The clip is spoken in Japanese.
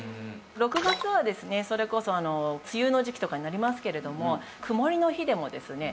６月はですねそれこそ梅雨の時期とかになりますけれども曇りの日でもですね